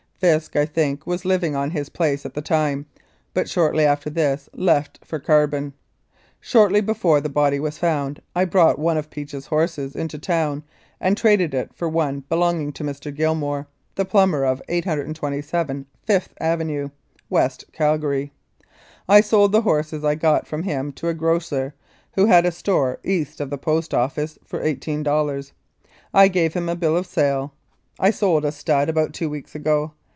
Fisk, I think, was living on his place at the time, but shortly after this left for Carbon. Shortly before the body was found I brought one of Peach's horses into town and traded it for one belonging to Mr. Gilmour, the plumber of 827 5th Ave., West Calgary. I sold the horses I got from him to a grocer, who has a store east of the Post Office, for $18. I gave him a bill of sale. I sold a stud about two weeks ago.